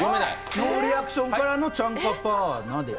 ノーリアクションからのチャンカパーナ。